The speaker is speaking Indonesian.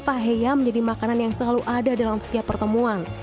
paheya menjadi makanan yang selalu ada dalam setiap pertemuan